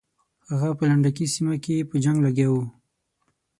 هغه په لنډکي سیمه کې په جنګ لګیا وو.